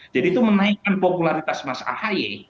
jadi itu menaikkan popularitas mas ahaye